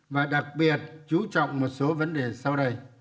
và đặc biệt chú trọng một số vấn đề sau đây